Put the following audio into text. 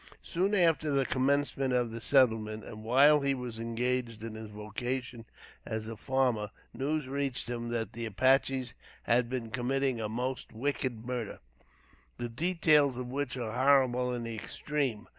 Soon after the commencement of the settlement, and while he was engaged in his vocation as farmer, news reached him that the Apaches had been committing a most wicked murder, the details of which are horrible in the extreme.